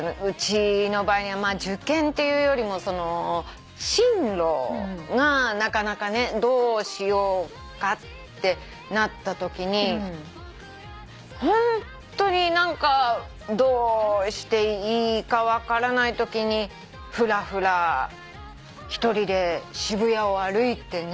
うちの場合は受験っていうよりも進路がなかなかねどうしようかってなったときにホントに何かどうしていいか分からないときにフラフラ一人で渋谷を歩いてね。